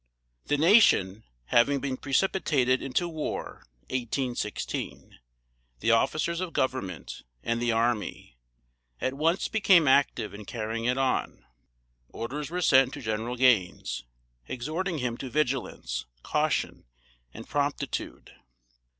The nation having been precipitated into war (1816), the Officers of Government, and the army, at once became active in carrying it on. Orders were sent to General Gaines, exhorting him to vigilance, caution and promptitude.